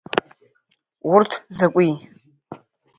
Урҭ закәи?